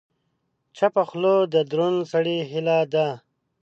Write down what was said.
چپه خوله، د دروند سړي هیله ده.